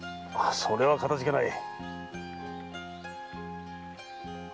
それはかたじけない。